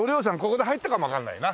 ここに入ったかもわかんないな。